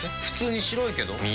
普通に白いけど。